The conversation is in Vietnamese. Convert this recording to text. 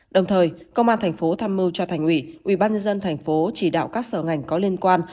đồng thời công an thành phố tham mưu cho thành ủy ubnd tp chỉ đạo các sở ngành có liên quan